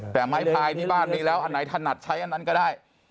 แต่ไม้พายที่บ้านมีแล้วอันไหนถนัดใช้อันนั้นก็ได้